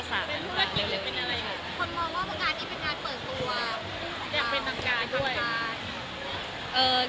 คนมองน่วงว่างานนี้เป็นงานเปิดตัว